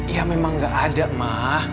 ya memang nggak ada mah